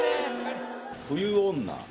冬女。